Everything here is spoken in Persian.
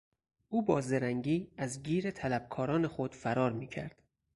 او با زرنگی از گیر طلبکاران خود فرار میکرد.